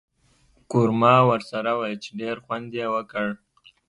قورمه ورسره وه چې ډېر خوند یې وکړ.